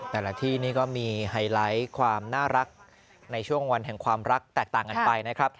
แต่ละที่นี่ก็มีไฮไลท์ความน่ารักในช่วงวันแห่งความรักแตกต่างกันไปนะครับ